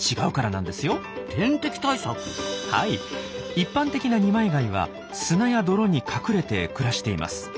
一般的な二枚貝は砂や泥に隠れて暮らしています。